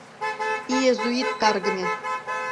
Иэзуит, каргыме!